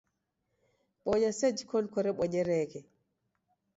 Bonya sena sa iji koni korebonyereghe